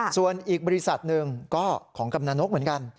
ส่วนอีกบริษัทหนึ่งก็ของกำนันนกเหมือนกัน